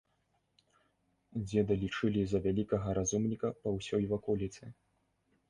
Дзеда лічылі за вялікага разумніка па ўсёй ваколіцы.